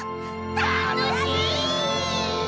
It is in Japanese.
たのしい！